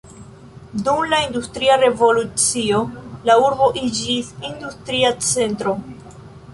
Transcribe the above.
Dum la industria revolucio la urbo iĝis industria centro.